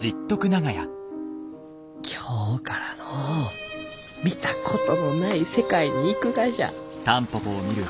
今日からのう見たことのない世界に行くがじゃ。